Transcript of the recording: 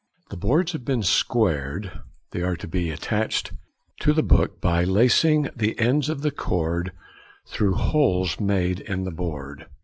The boards having been squared, they are to be attached to the book by lacing the ends of the cord through holes made in the board.